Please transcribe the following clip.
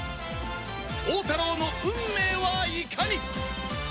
宝太郎の運命はいかに！？